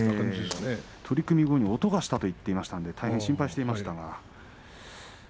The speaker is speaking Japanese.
取組後に音がしたと言っていたので心配しました。